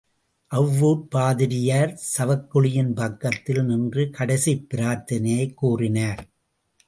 அவ்வூர்ப் பாதிரியார் சவக்குழியின் பக்கத்தில் நின்று கடைசிப் பிரார்த்தனையைக் கூறினார்.